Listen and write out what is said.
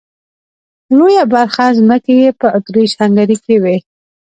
لويه برخه ځمکې یې په اتریش هنګري کې وې.